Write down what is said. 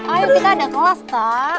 ayo kita ada kelas kak